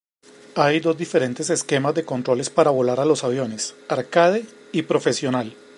Hay dos diferentes esquemas de controles para volar a los aviones, "arcade" y profesional.